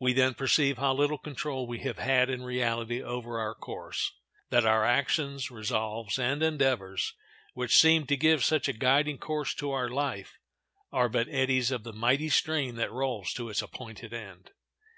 We then perceive how little control we have had in reality over our course; that our actions, resolves, and endeavors, which seemed to give such a guiding course to our life, "Are but eddies of the mighty stream That rolls to its appointed end."